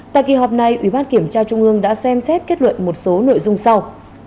tại kỳ họp này ủy ban kiểm tra trung ương đã xem xét kết luận một số nội dung sau